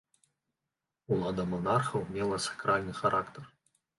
Улада манархаў мела сакральны характар.